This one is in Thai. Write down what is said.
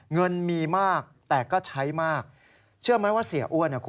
เงินมีมากแต่ก็ใช้มากเชื่อไหมว่าเสียอ้วนคุณ